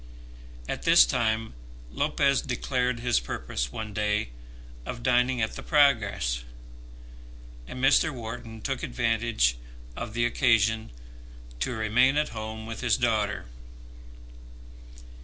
At this time Lopez declared his purpose one day of dining at the Progress, and Mr. Wharton took advantage of the occasion to remain at home with his daughter.